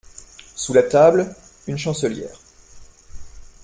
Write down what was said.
Sous la table, une chancelière.